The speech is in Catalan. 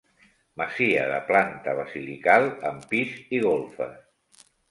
Masia de planta basilical, amb pis i golfes.